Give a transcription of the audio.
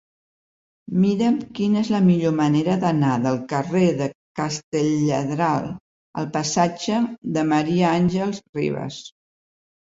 Mira'm quina és la millor manera d'anar del carrer de Castelladral al passatge de Ma. Àngels Rivas.